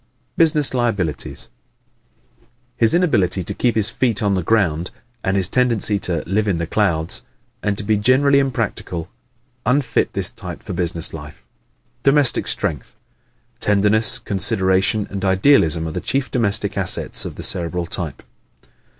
Business Liabilities ¶ His inability to "keep his feet on the ground," and his tendency to "live in the clouds" and to be generally impractical unfit this type for business life. Domestic Strength ¶ Tenderness, consideration and idealism are the chief domestic assets of the Cerebral type.